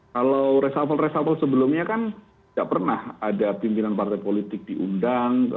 kalau reshuffle reshuffle sebelumnya kan tidak pernah ada pimpinan partai politik diundang